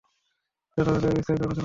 যথাস্থানে এর বিস্তারিত আলোচনা আসবে।